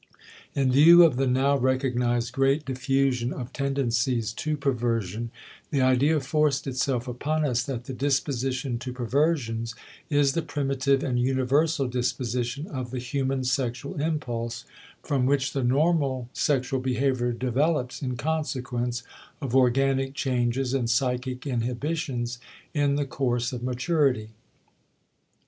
In view of the now recognized great diffusion of tendencies to perversion the idea forced itself upon us that the disposition to perversions is the primitive and universal disposition of the human sexual impulse, from which the normal sexual behavior develops in consequence of organic changes and psychic inhibitions in the course of maturity.